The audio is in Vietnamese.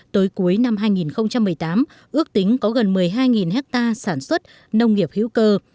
tới cuối năm hai nghìn một mươi tám ước tính có gần một mươi hai hectare sản xuất nông nghiệp hữu cơ